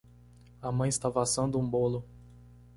A mãe estava assando um bolo.